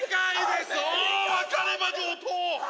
そう、分かれば上等！